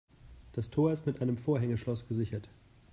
Das Tor ist mit einem Vorhängeschloss gesichert.